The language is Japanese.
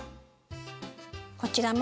こちらも。